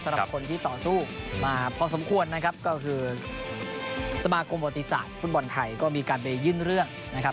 สำหรับคนที่ต่อสู้มาพอสมควรนะครับก็คือสมาคมประติศาสตร์ฟุตบอลไทยก็มีการไปยื่นเรื่องนะครับ